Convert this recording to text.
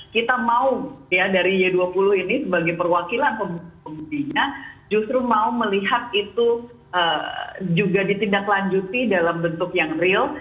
kita mau ya dari y dua puluh ini sebagai perwakilan pemudinya justru mau melihat itu juga ditindaklanjuti dalam bentuk yang real